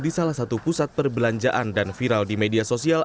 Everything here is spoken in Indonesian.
di salah satu pusat perbelanjaan dan viral di media sosial